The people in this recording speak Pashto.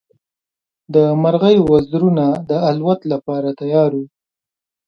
د مرغۍ وزرونه د الوت لپاره تیار وو.